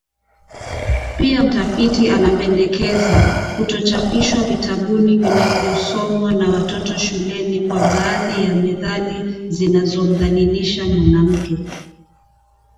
Pia mtafiti anapendekeza kutochapishwa vitabuni vinavyosomwa na watoto shuleni kwa baadhi ya methali zinazomdhalilisha mwanamke